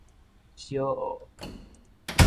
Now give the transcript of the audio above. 小澳